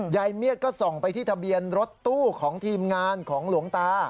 ยายเมียดก็ส่องไปที่ทะเบียนรถตู้ของทีมงานของหลวงตา